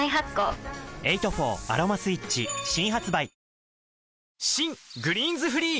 「エイト・フォーアロマスイッチ」新発売新「グリーンズフリー」